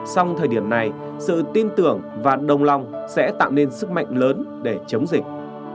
song thời điểm này sự tin tưởng và đồng lòng sẽ tạo nên sức mạnh lớn để chống dịch